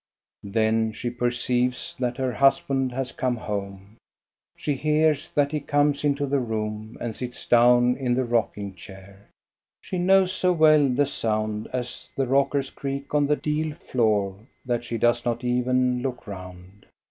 Then she perceives that her husband has come home. She hears that he comes into the room and sits down in the rocking chair. She knows so well the sound as the rockers creak on the deal floor that she does not even look round.